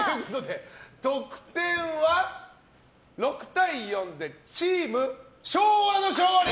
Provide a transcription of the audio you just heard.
得点は、６対４でチーム昭和の勝利！